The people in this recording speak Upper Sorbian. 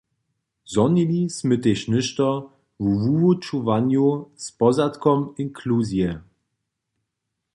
Zhonili smy tež něšto wo wuwučowanju z pozadkom inkluzije.